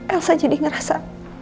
elsa jadi ngerasa